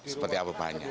seperti apa bahannya